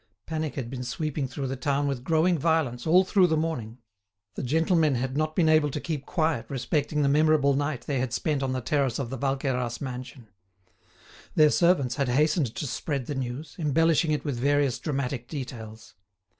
Panic had been sweeping through the town with growing violence all through the morning. The gentlemen had not been able to keep quiet respecting the memorable night they had spent on the terrace of the Valqueyras mansion. Their servants had hastened to spread the news, embellishing it with various dramatic details.